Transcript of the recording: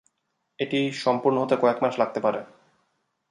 এটি সম্পূর্ণ হতে কয়েক মাস লাগতে পারে।